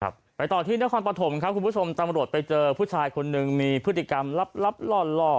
ไปต่อที่นครปฐมครับคุณผู้ชมตำรวจไปเจอผู้ชายคนหนึ่งมีพฤติกรรมลับลับล่อล่อ